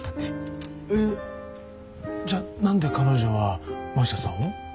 じゃあ何で彼女は真下さんを？